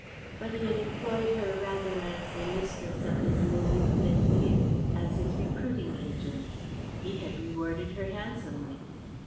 But he had employed her rather as the mistress of his menus plaisirs, as his recruiting agent. He had rewarded her handsomely.